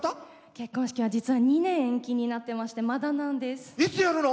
結婚式は、実は２年延期になってましていつやるの？